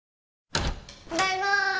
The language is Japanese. ただいま！